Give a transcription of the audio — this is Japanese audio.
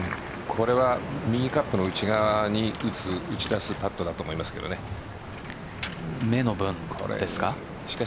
これは右カップの内側に打ち出すパットだと目の分ですか？